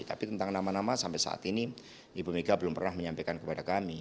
tapi tentang nama nama sampai saat ini ibu mega belum pernah menyampaikan kepada kami